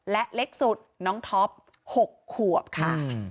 และเล็กสุดน้องท็อป๖ขวบค่ะ